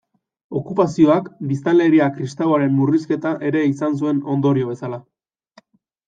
Okupazioak biztanleria kristauaren murrizketa ere izan zuen ondorio bezala.